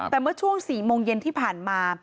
แต่เมื่อช่วง๔โมงเย็นที่ผ่านมา